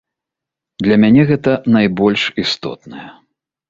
Для мяне гэта найбольш істотнае.